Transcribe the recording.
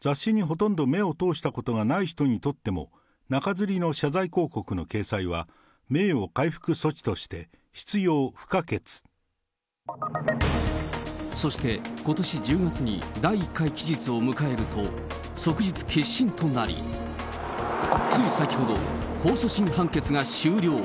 雑誌にほとんど目を通したことがない人にとっても、中づりの謝罪広告の掲載は、そして、ことし１０月に第１回期日を迎えると、即日結審となり、つい先ほど、控訴審判決が終了。